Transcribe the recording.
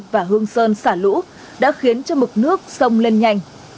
và hương sơn xả lũ đã khiến cho mực nước sông lên nhanh